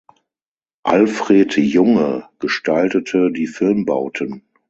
Alfred Junge gestaltete die Filmbauten.